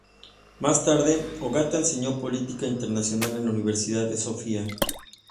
Más tarde, Ogata enseñó política internacional en la Universidad de Sofía.